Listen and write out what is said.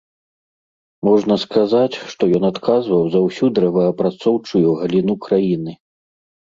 Можна сказаць, што ён адказваў за ўсю дрэваапрацоўчую галіну краіны.